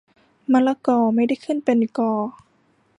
มะละกอ ไม่ได้ขึ้นเป็นกอ